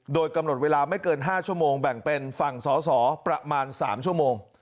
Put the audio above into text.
โดยกำหนดเวลาไม่เกิน๕ชั่วโมงแบ่งเป็นฝั่งสอสอประมาณ๓ชั่วโมง